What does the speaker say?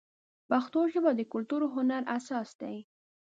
پښتو ژبه د کلتور او هنر اساس دی.